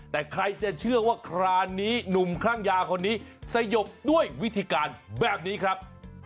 แต่ใครจะเชื่อว่าครานนี้หนุ่มคลั่งยาคนนี้สยบด้วยวิธีการแบบนี้ครับ